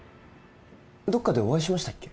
どっかでお会いしましたっけ？